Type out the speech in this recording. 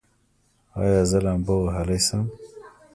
ایا زه لامبو وهلی شم؟